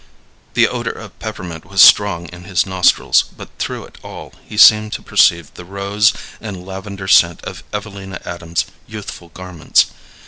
The odor of peppermint was strong in his nostrils, but through it all he seemed to perceive the rose and lavender scent of Evelina Adams's youthful garments.